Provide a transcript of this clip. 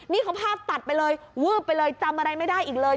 นี่เขาภาพตัดไปเลยวืบไปเลยจำอะไรไม่ได้อีกเลย